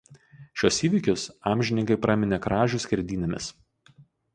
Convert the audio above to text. Šiuos įvykius amžininkai praminė Kražių skerdynėmis.